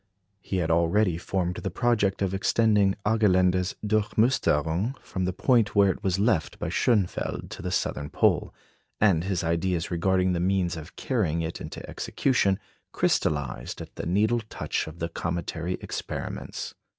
He had already formed the project of extending Argelander's "Durchmusterung" from the point where it was left by Schönfeld to the southern pole; and his ideas regarding the means of carrying it into execution crystallised at the needle touch of the cometary experiments.